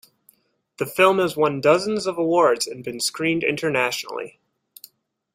The film has won dozens of awards and been screened internationally.